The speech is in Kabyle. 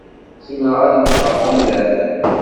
Zemreɣ ad mmteɣ fell-am.